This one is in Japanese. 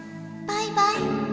バイバイ。